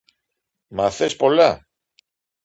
Μα θες πολλά